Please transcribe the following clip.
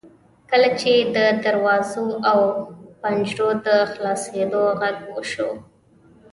کله چې د دروازو او پنجرو د خلاصیدو غږ وشو.